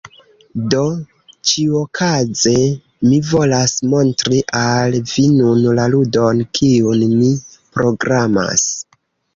Do ĉiuokaze mi volas montri al vi nun la ludon, kiun mi programas.